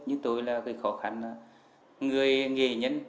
nhưng tôi là người nghệ nhân